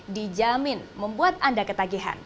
dijamin membuat anda ketagihan